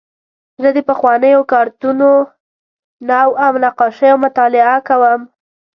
زه د پخوانیو کارتونونو او نقاشیو مطالعه کوم.